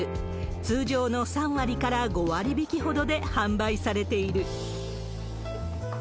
通常の３割から５割引きほどで販売されている。